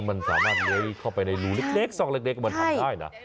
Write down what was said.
มันสามารถเล้ยเข้าไปในรูเล็กซอกเล็กมันทำได้นะ